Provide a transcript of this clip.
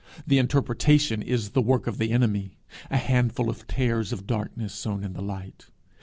The interpretation is the work of the enemy a handful of tares of darkness sown in the light.